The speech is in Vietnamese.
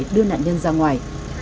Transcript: đưa nạn nhân ra ngoài